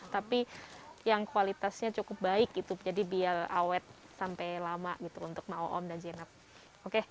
tapi yang kualitasnya cukup baik itu jadi biar awet sampai lama gitu untuk mau om dan jenab oke